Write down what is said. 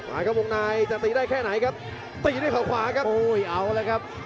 ครับวงในจะตีได้แค่ไหนครับตีด้วยเขาขวาครับโอ้ยเอาเลยครับ